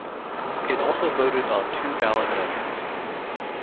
It also voted on two ballot measures.